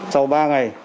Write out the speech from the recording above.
sau ba ngày